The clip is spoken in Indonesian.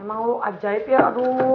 emang lu ajaib ya aduh